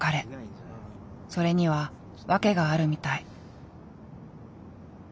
それには訳があるみたい。